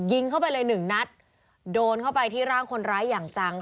ยิงเข้าไปเลยหนึ่งนัดโดนเข้าไปที่ร่างคนร้ายอย่างจัง